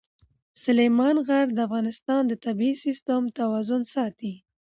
سلیمان غر د افغانستان د طبعي سیسټم توازن ساتي.